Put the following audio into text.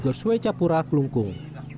gorswe capura klungkung